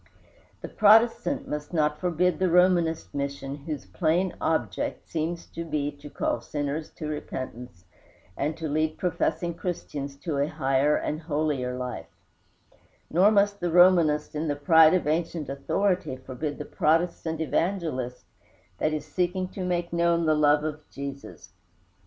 The Protestant must not forbid the Romanist mission whose plain object seems to be to call sinners to repentance, and to lead professing Christians to a higher and holier life; nor must the Romanist in the pride of ancient authority forbid the Protestant evangelist that is seeking to make known the love of Jesus.